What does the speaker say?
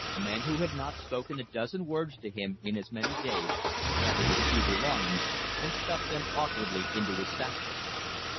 Men who had not spoken a dozen words to him in as many days gathered his few belongings and stuffed them awkwardly into his satchel.